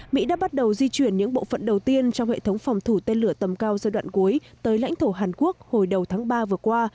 mỹ đã bắt đầu di chuyển những bộ phận đầu tiên trong hệ thống phòng thủ tên lửa tầm cao giai đoạn cuối tới lãnh thổ hàn quốc hồi đầu tháng ba vừa qua